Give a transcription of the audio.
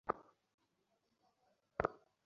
বল, প্রশান্ত।